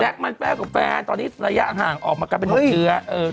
มันแฟลกับแฟนตอนนี้ระยะห่างออกมากันเป็น๖เชื้อ